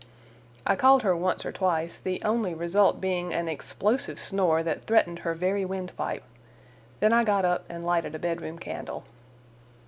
I called her once or twice, the only result being an explosive snore that threatened her very windpipe—then I got up and lighted a bedroom candle.